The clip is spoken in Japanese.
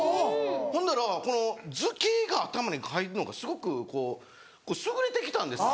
ほんなら図形が頭に入るのがすごくこう優れてきたんですかね。